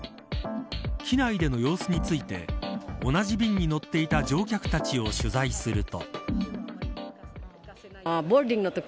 機内での様子について同じ便に乗っていた乗客たちを取材すると。